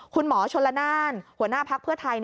คุณหมอชนละนานหัวหน้าพักเพื่อไทย